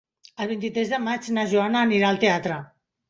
El vint-i-tres de maig na Joana anirà al teatre.